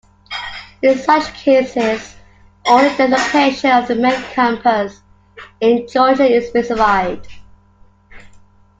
In such cases, only the location of the main campus in Georgia is specified.